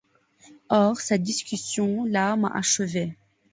Or cette discussion-là m’a achevé.